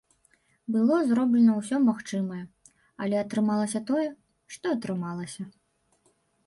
Было зроблена ўсё магчымае, але атрымалася тое, што атрымалася.